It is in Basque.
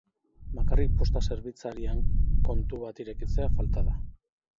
Bakarrik posta-zerbitzarian kontu bat irekitzea falta da.